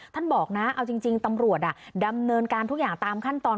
บอกนะเอาจริงตำรวจดำเนินการทุกอย่างตามขั้นตอน